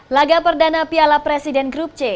laga perdana piala presiden grup c